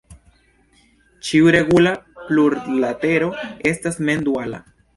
Ĉiu regula plurlatero estas mem-duala.